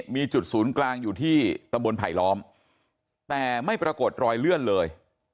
มีจุดศูนย์กลางอยู่ที่ตำบลไผลล้อมแต่ไม่ปรากฏรอยเลื่อนเลย